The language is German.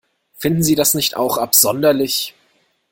Finden Sie das nicht auch absonderlich?